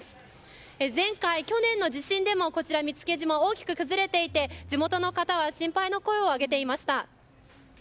前回、去年の地震でも見附島は大きく崩れていて地元の方は心配の声を上げていました。